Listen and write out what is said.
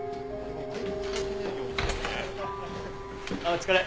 お疲れ。